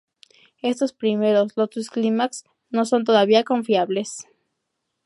Estos primeros Lotus-Climax no son todavía confiables.